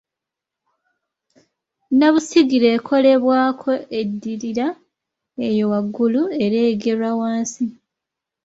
nnabusigire ekolebwako eddirira eyo waggulu ereegerwa wansi